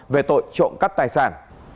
về tội trộm cắt tài sản